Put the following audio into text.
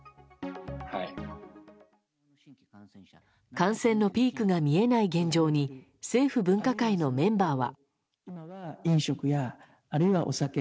感染のピークが見えない現状に政府分科会のメンバーは。